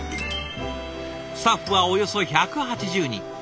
スタッフはおよそ１８０人。